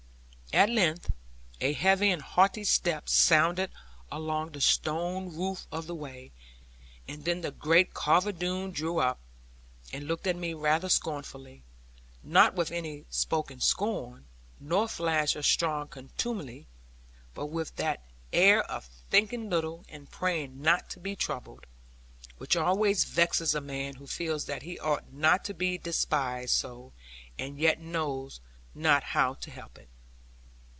At length, a heavy and haughty step sounded along the stone roof of the way; and then the great Carver Doone drew up, and looked at me rather scornfully. Not with any spoken scorn, nor flash of strong contumely; but with that air of thinking little, and praying not to be troubled, which always vexes a man who feels that he ought not to be despised so, and yet knows not how to help it.